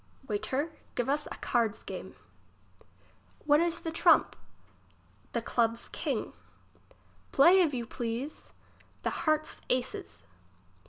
Waiter, give us a card's game. What is the trump ? The club's king. Play, if you please. The heart's aces.